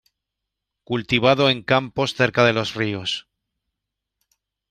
Cultivado en campos cerca de los ríos.